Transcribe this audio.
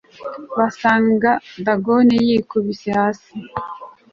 basanga dagoni yikubise hasi